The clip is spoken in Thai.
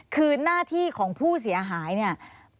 คือหน้าที่ของผู้เสียหายเนี่ย